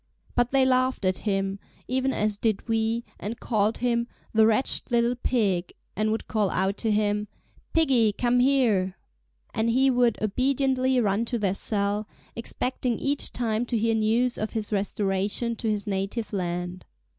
But they laughed at him, even as did we, and called him "the wretched little pig," and would call out to him: "Piggy, come here!" And he would obediently run to their cell, expecting each time to hear news of his restoration to his native land.